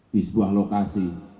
di sebuah lokal